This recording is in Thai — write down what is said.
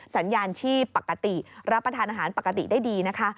สัญญาณชีพปกติรับประทานอาหารปกติได้ดีนะคะ